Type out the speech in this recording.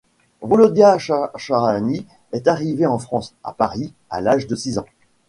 Volodia Shahshahani est arrivé en France, à Paris, à l’âge de six ans.